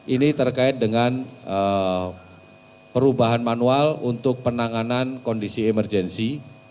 ini terkait dengan perubahan manual untuk penanganan kondisi emergensi